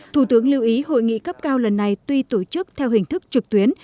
thủ tướng lưu ý hội nghị cấp cao lần này tuy tổ chức theo hình thức trực tuyến